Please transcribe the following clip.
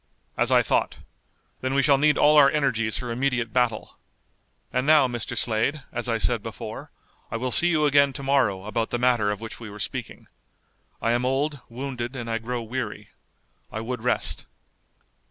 "As I thought. Then we shall need all our energies for immediate battle. And now, Mr. Slade, as I said before, I will see you again to morrow about the matter of which we were speaking. I am old, wounded, and I grow weary. I would rest."